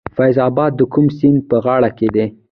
فیض اباد د کوم سیند په غاړه دی؟